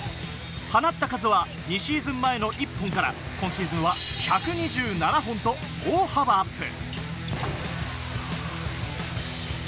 放った数は２シーズン前の１本から、今シーズンは１２７本と大幅アップ。